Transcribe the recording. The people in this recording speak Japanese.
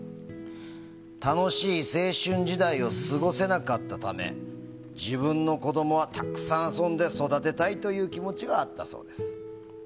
楽しい青春時代を過ごせなかったため自分の子供はたくさん遊んで育てたいという気持ちがあったそうです。